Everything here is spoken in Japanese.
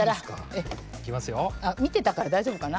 見てたから大丈夫かな？